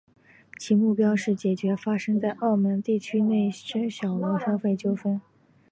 其目标是解决发生在澳门地区内之小额消费纠纷。